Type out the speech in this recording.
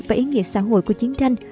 và ý nghĩa xã hội của chiến tranh